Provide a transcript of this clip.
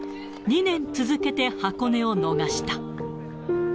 ２年続けて箱根を逃した。